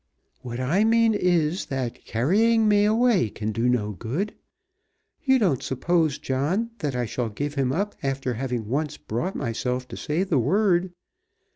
"What I mean is, that carrying me away can do no good. You don't suppose, John, that I shall give him up after having once brought myself to say the word!